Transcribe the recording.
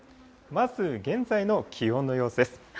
まず、現在の気温の様子です。